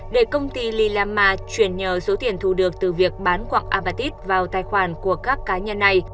để công ty lillama chuyển nhờ số tiền thu được từ việc bán quặng apartheid vào tài khoản của các cá nhân này